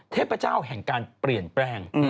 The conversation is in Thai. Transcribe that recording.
เทพเจ้าแห่งการเปลี่ยนแปลง